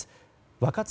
若槻